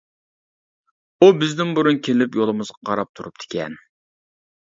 ئۇ بىزدىن بۇرۇن كېلىپ يولىمىزغا قاراپ تۇرۇپتىكەن.